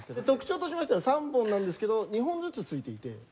特徴としましては３本なんですけど２本ずつついていて。